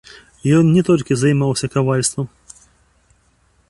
Ён не толькі займаўся кавальствам.